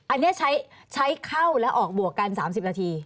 อันนี้ใช้เข้าและออกบวกกัน๓๐นาที